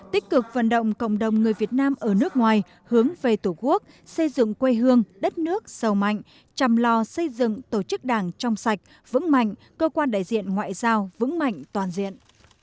tích cực vận động cộng đồng người việt nam ở nước ngoài hướng về tổ quốc xây dựng quê hương đất nước sâu mạnh chăm lo xây dựng tổ chức đảng trong sạch vững mạnh cơ quan đại diện ngoại giao vững mạnh toàn diện